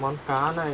món cá này